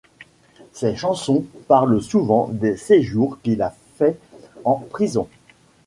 Ses chansons parlent souvent des séjours qu'il a fait en prison.